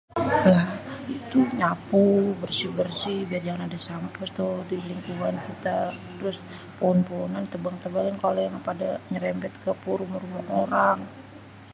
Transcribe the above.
Lah itu nyapu bersih-bersih biar jangan ada sampeh tuh di lingkungan kita. Terus pohon-pohonan ditebang-tebangin kalo yang pada nyerempet ke rumah-rumah orang.